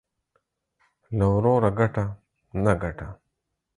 له وروره گټه ، نه گټه.